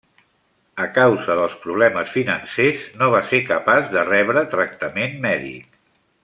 A causa dels problemes financers, no va ser capaç de rebre tractament mèdic.